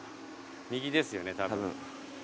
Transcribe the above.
右ですよねたぶん。